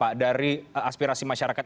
pak dari aspirasi masyarakat